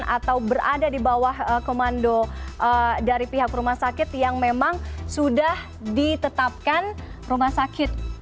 atau berada di bawah komando dari pihak rumah sakit yang memang sudah ditetapkan rumah sakit